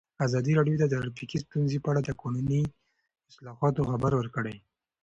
ازادي راډیو د ټرافیکي ستونزې په اړه د قانوني اصلاحاتو خبر ورکړی.